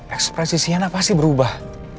ekspresi sienna pasti berubah